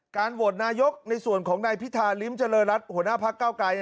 โหวตนายกในส่วนของนายพิธาริมเจริญรัฐหัวหน้าพักเก้าไกร